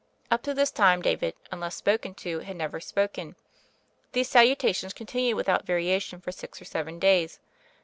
Up to this time, David, unless spoken to, had never spoken. These salutations con tinued without variation for six or seven days.